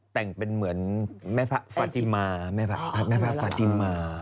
แต่งเป็นเหมือนแม่พระฟาติมาแม่พระฟาติมา